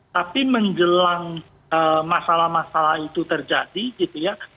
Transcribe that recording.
tapi menjelang masalah masalah itu terjadi gitu ya